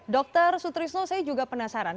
dr sutrisno saya juga penasaran